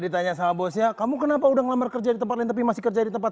ditanya sama bosnya kamu kenapa udah ngelamar kerja di tempat lain tapi masih kerja di tempat